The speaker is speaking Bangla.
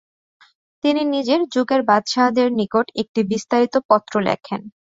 তিনি নিজের যুগের বাদশাহদের নিকট একটি বিস্তারিত পত্র লেখেন।